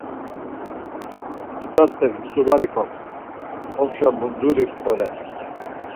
Tutastek mutu var ikums, opşa bunduri oren.